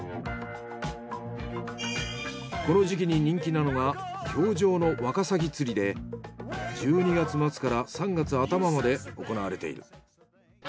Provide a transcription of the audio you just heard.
この時期に人気なのが氷上のワカサギ釣りで１２月末から３月頭まで行われている。